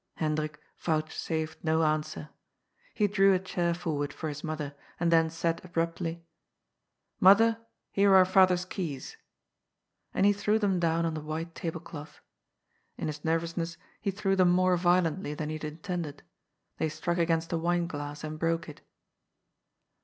Hendrik Youchsafed no answer. He drew a chair f or* ward for his mother, and then said abruptly: ^'Mother, here are father's keys." And he threw them down on the white table cloth. In his nervousness he threw them more violently than he had intended. They struck against a wine glass, and broke it.